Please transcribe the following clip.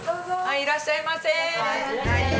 いらっしゃいませ。